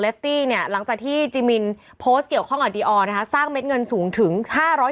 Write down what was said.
เนี้ยหลังจากที่จิมินเกี่ยวข้องกับนะคะสร้างเม็ดเงินสูงถึงห้าร้อย